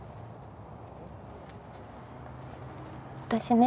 私ね。